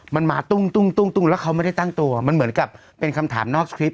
มันมาตุ้งแล้วเขาไม่ได้ตั้งตัวมันเหมือนกับเป็นคำถามนอกคลิป